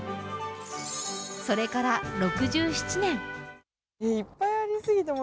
それから６７年。